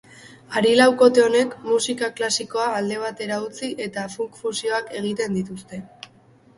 Hari laukote honek musika klasikoa alde batera utzi eta funk fusioak egiten dituzte.